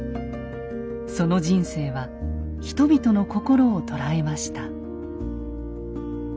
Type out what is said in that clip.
その人生は人々の心を捉えました。